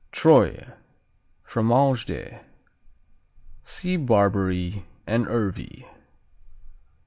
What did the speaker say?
Troyes, Fromage de see Barberey and Ervy.